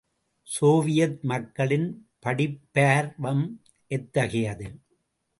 Soviet மக்களின் படிப்பார்வம் எத்தகையது?